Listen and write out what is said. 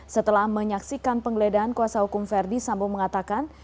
setelah menyaksikan penggeledahan kuasa hukum verdi sambo mengatakan